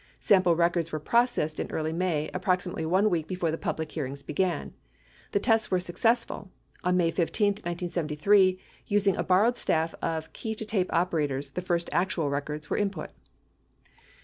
Sample records were processed in early May, approximately 1 week before the public hearings began. The tests were successful. On May 15, 1973, using a borrowed staff of key to tape operators, the first actual records were input.